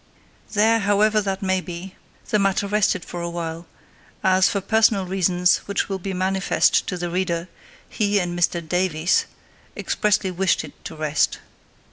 There, however that may be, the matter rested for a while, as, for personal reasons which will be manifest to the reader, he and Mr "Davies" expressly wished it to rest.